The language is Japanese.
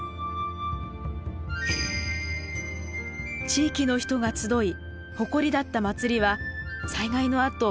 地域の人が集い誇りだった祭りは災害のあと